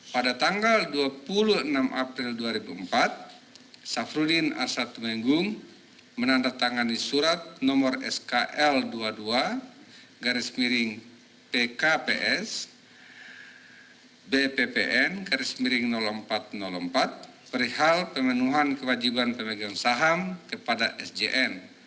pada tanggal dua puluh enam april dua ribu empat safrudin asad tumenggung menandatangani surat nomor skl dua puluh dua pkps bppn empat ratus empat perihal pemenuhan kewajiban pemegang saham kepada sjn